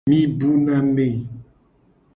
Mi bu na me.